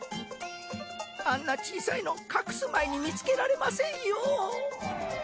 あんな小さいの隠す前に見つけられませんよ。